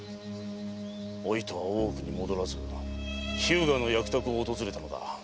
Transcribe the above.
お糸は大奥に戻らず日向の役宅を訪れたのだ。